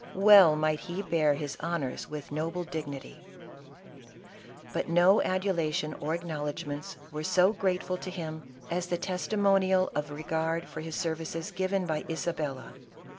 Well might he bear his honors with noble dignity ! But no adulation or acknowledgments were so grate ful to him as the testimonial of regard for his services given by Isabella.